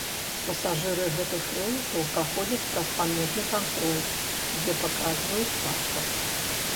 Пасажыры гэтых рэйсаў праходзяць праз памежны кантроль, дзе паказваюць пашпарт.